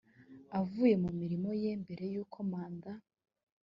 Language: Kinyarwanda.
avuye mu mirimo ye mbere y uko manda